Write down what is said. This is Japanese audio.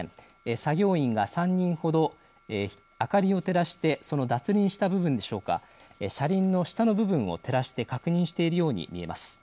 作業員が３人ほど明かりを照らしてその脱輪した部分でしょうか車輪の下の部分を照らして確認しているように見えます。